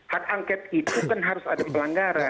hak angket itu kan harus ada pelanggaran